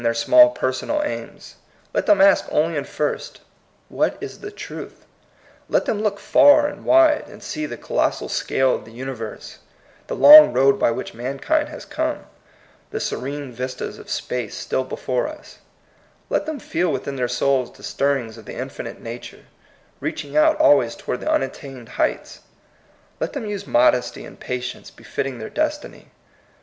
77 their small personal aims; let them ask only and first, What is the truth? Let them look far and wide, and see the co lossal scale of the universe, the long road by which mankind has come, the serene vistas of space still before us; let them feel within their souls the stirrings of the infinite nature, reaching out always toward the unattained heights ; let them use mod esty and patience befitting their destiny.